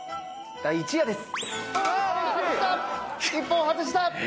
１本外した！